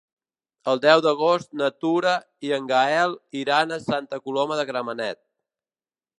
El deu d'agost na Tura i en Gaël iran a Santa Coloma de Gramenet.